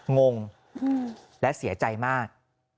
งงและเสียใจมาก